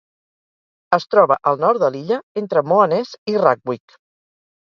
Es troba al nord de l'illa, entre Moaness i Rackwick.